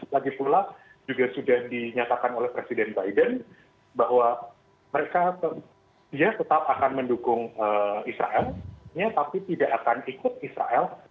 lagi pula juga sudah dinyatakan oleh presiden biden bahwa mereka dia tetap akan mendukung israel tapi tidak akan ikut israel